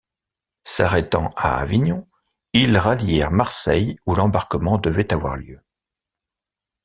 S'arrêtant à Avignon, ils rallièrent Marseille où l'embarquement devait avoir lieu.